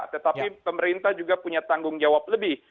tetapi pemerintah juga punya tanggung jawab lebih